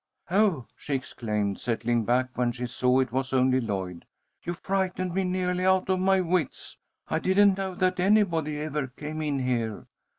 "Oh!" she exclaimed, settling back when she saw it was only Lloyd. "You frightened me nearly out of my wits. I didn't know that anybody ever came in here."